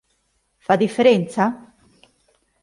Fa differenza?